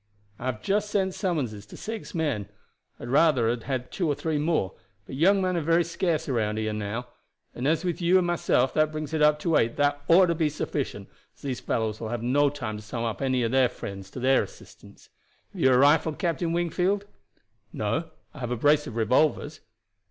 "I have just sent summonses to six men. I would rather have had two or three more, but young men are very scarce around here now; and as with you and myself that brings it up to eight that ought to be sufficient, as these fellows will have no time to summon any of their friends to their assistance. Have you a rifle, Captain Wingfield?" "No; I have a brace of revolvers."